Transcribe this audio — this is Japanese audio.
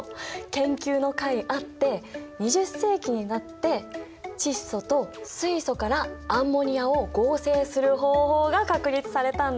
研究のかいあって２０世紀になって窒素と水素からアンモニアを合成する方法が確立されたんだ！